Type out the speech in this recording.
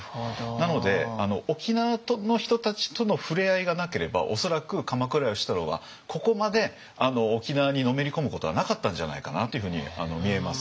なので沖縄の人たちとのふれあいがなければ恐らく鎌倉芳太郎はここまで沖縄にのめり込むことはなかったんじゃないかなというふうに見えます。